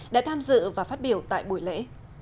đã tham dự và phát biểu tại buổi lễ